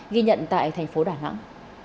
ghi nhận tại thành phố đà nẵng